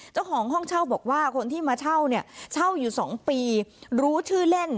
เจ้าของห้องเช่าบอกว่าคนที่มาเช่าเนี่ยเช่าอยู่๒ปีรู้ชื่อเล่น